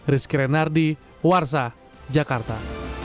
rizky renardi warsa jakarta